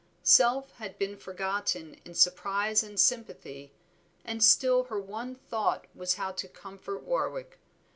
Self had been forgotten in surprise and sympathy, and still her one thought was how to comfort Warwick.